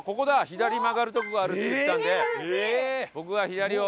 左に曲がるとこがあるって言ってたのでここは左を。